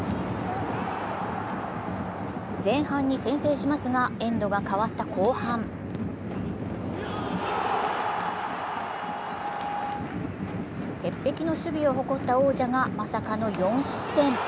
前半に先制しますが、エンドが変わった後半鉄壁の守備を誇った王者がまさかの４失点。